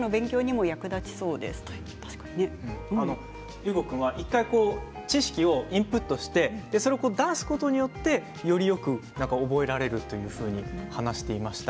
有吾君は１回知識をインプットして出すことによって、よりよく覚えられるというふうに話していました。